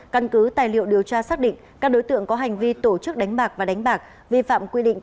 căn cứ tài liệu điều tra xác định các đối tượng có hành vi tổ chức đánh bạc và đánh bạc vi phạm quy định